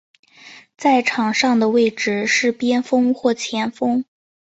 在场上的位置是边锋或前锋。